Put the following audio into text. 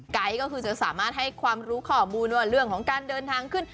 ก็คือจะสามารถให้ความรู้ข้อมูลว่าเรื่องของการเดินทางขึ้น